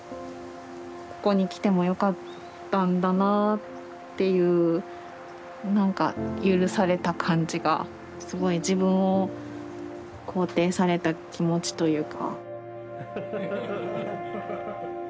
ここに来てもよかったんだなぁっていう何か許された感じがすごい自分を肯定された気持ちというか。